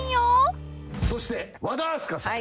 そして和田明日香さん。